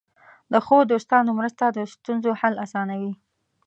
د ښو دوستانو مرسته د ستونزو حل آسانوي.